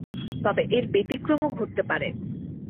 তবে এর ব্যতিক্রম ও ঘটতে পারে।